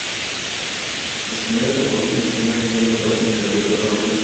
Las comidas a bordo se sirven en envases biodegradables y cajas reciclables.